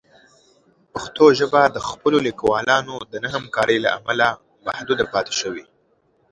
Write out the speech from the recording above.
پښتو ژبه د خپلو لیکوالانو د عدم همکارۍ له امله محدود پاتې شوې.